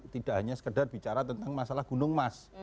tidak hanya sekedar bicara tentang masalah gunung mas